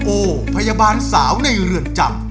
โอพยาบาลสาวในเรือนจำ